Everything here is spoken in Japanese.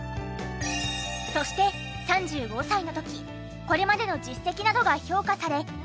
そして３５歳の時これまでの実績などが評価され